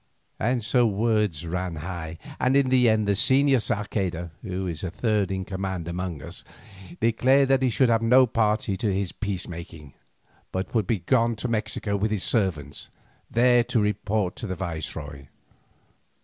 And so words ran high, and in the end the Señor Sarceda, who is third in command among us, declared that he would be no party to this peacemaking, but would be gone to Mexico with his servants, there to report to the viceroy.